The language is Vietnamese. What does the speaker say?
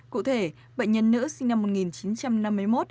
cụ thể bệnh nhân nữ sinh năm một nghìn chín trăm năm mươi một